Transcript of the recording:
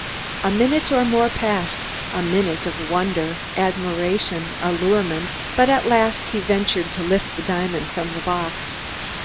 A minute or more passed, a minute of wonder, admiration, allurement, but at last he ventured to lift the diamond from the box.